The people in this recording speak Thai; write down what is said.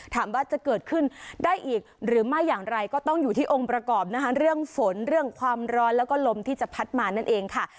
ถามว่าจะเกิดขึ้นได้อีกหรือไม่อย่างไรก็ต้องอยู่ที่องค์ประกอบนะคะเรื่องฝนเรื่องความร้อนแล้วก็ลมที่จะพัดมานั่นเองค่ะ